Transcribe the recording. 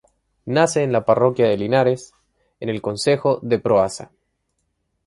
Nace en la parroquia de Linares, en el concejo de Proaza.